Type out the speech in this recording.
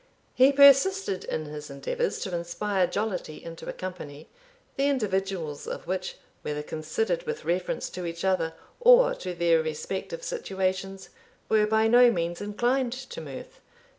He persisted in his endeavours to inspire jollity into a company, the individuals of which, whether considered with reference to each other, or to their respective situations, were by no means inclined to mirth.